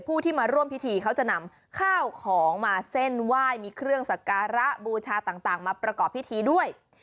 ผู้ที่มาร่วมพิธีเขาจะนำข้าวของมาเส้นไหว้มีเครื่องสักการะบูชาต่างมาประกอบพิธีด้วย